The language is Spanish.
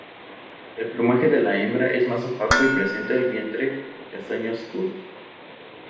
El plumaje de la hembra es más opaco y presenta el vientre castaño oscuro.